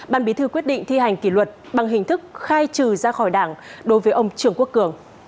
ban bí thư quyết định thi hành kỷ luật bằng hình thức khai trừ ra khỏi đảng đối với ông trường quốc cường